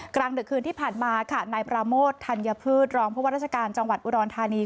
กลางดึกคืนที่ผ่านมาค่ะนายปราโมทธัญพืชรองผู้ว่าราชการจังหวัดอุดรธานี